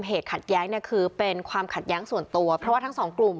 เหตุขัดแย้งเนี่ยคือเป็นความขัดแย้งส่วนตัวเพราะว่าทั้งสองกลุ่ม